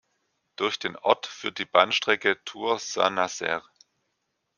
Durch den Ort führt die Bahnstrecke Tours–Saint-Nazaire.